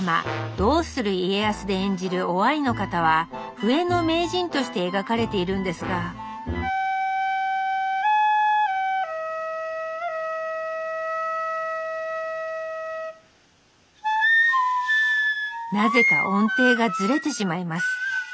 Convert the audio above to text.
「どうする家康」で演じる於愛の方は笛の名人として描かれているんですがなぜか音程がずれてしまいます。